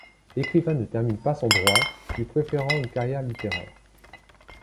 L'écrivain ne termine pas son droit, lui préférant une carrière littéraire.